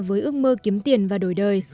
với ước mơ kiếm tiền và đổi đời